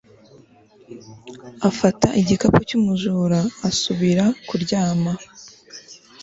afata igikapu cy'umujura asubira kuryama